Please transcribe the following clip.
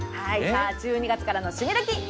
さあ「１２月からの趣味どきっ！」